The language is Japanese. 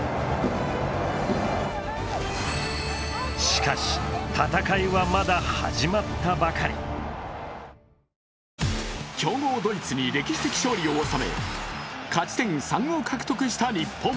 しかし、戦いはまだ始まったばかり強豪ドイツに歴史的勝利を収め勝ち点３を獲得した日本。